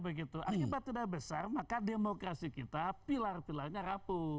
akibat tidak besar maka demokrasi kita pilar pilarnya rapuh